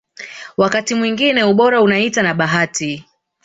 Wakati mwingine ubora unahita na bahati